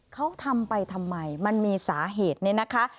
เขาทำไปทำไมมันมีสาเหตุเนี่ยนะคะ